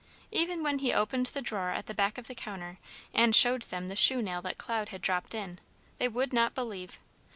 Even when he opened the drawer at the back of the counter and showed them the shoe nail that Cloud had dropped in, they would not believe.